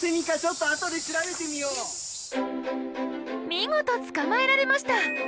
見事捕まえられました！